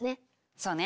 そうね。